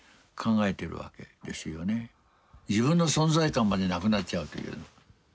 自分の存在感までなくなっちゃうという。